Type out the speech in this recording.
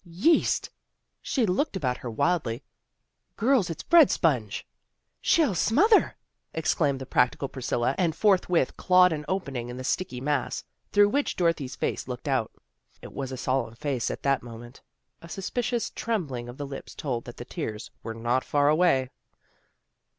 "Yeast!" She looked about her wildly. " Girls, it's bread sponge." " She'll smother," exclaimed the practical Priscilla, and forthwith clawed an opening in the sticky mass, through which Dorothy's face looked out. It was a solemn face at that mo ment. A suspicious trembling of the lips told that the tears were not far away.